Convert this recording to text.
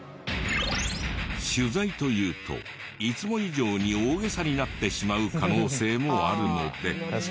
取材と言うといつも以上に大げさになってしまう可能性もあるので。